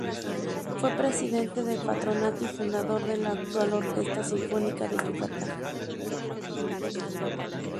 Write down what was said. Fue presidente del patronato y fundador de la actual Orquesta Sinfónica de Yucatán.